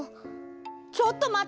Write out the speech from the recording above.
ちょっとまって！